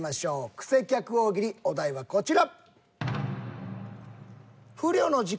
クセ客大喜利お題はこちら。